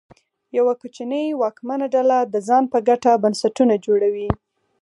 یوه کوچنۍ واکمنه ډله د ځان په ګټه بنسټونه جوړوي.